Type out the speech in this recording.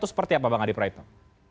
seperti apa bang adi praitno